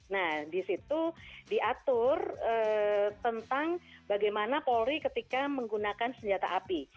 nah di situ diatur tentang bagaimana polri ketika menggunakan senjata api